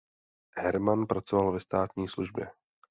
Hermann pracoval ve státní službě.